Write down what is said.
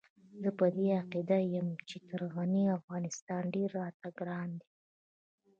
زه په دې عقيده يم چې تر غني افغانستان ډېر راته ګران دی.